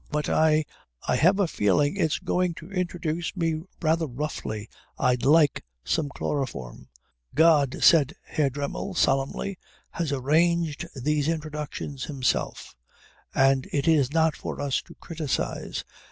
But I I have a feeling it's going to introduce me rather roughly. I'd like some chloroform." "God," said Herr Dremmel solemnly, "has arranged these introductions Himself, and it is not for us to criticise."